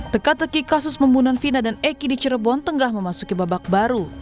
teka teki kasus pembunuhan vina dan eki di cirebon tengah memasuki babak baru